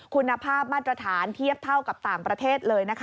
คุณภาพมาตรฐานเทียบเท่ากับต่างประเทศเลยนะคะ